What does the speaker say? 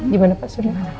gimana pak sudi